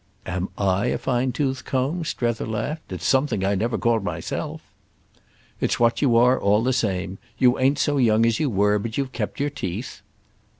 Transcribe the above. "Am I a fine tooth comb?" Strether laughed. "It's something I never called myself!" "It's what you are, all the same. You ain't so young as you were, but you've kept your teeth."